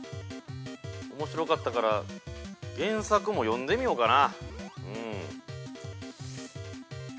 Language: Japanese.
おもしろかったから原作も読んでみようかな、うん。